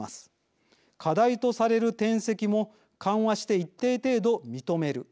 課題とされる転籍も緩和して一定程度認める。